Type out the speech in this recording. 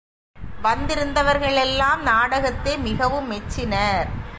வந்திருந்தவர்களெல்லாம் நாடகத்தை மிகவும் மெச்சினர்.